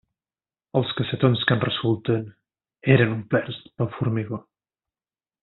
Els cassetons que en resulten eren omplerts pel formigó.